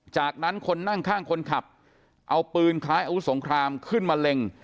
จากนั้นคนนั่งข้างคนขับเอาปืนคล้ายอาวุธสงครามขึ้นมาเล็ง